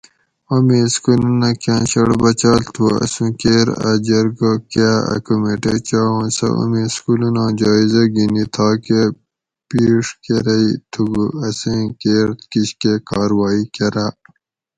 اومی سکولونہ کاٞں شٞڑ بچاٞل تھُو اسُوں کیر اٞ جرگہ کاٞ اٞ کُمیٹی چا اُوں سٞہ اومی سکولوناں جائزہ گھِنی تھاکٞہ پیݭ کٞرئ تھُکو اسیں کیر کِشکٞہ کارروائ کٞراٞ